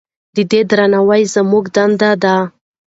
د ده درناوی زموږ دنده ده.